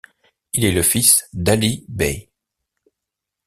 Il est le fils d'Ali Bey.